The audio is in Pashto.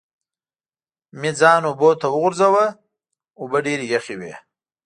مې ځان اوبو ته وغورځاوه، اوبه ډېرې یخې وې.